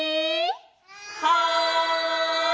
はい！